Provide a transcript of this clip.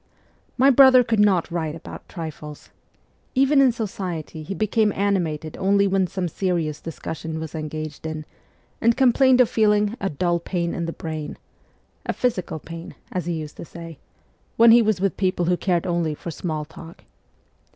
My brother could not write about trifles. Even in society he became animated only when some serious discussion was engaged in, and complained of feeling ' a dull pain in the brain ' a physical pain, as he used to say when he was with people who cared only for small talk.